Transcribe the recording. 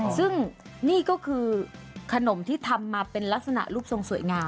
ซึ่งนี่ก็คือขนมที่ทำมาเป็นลักษณะรูปทรงสวยงาม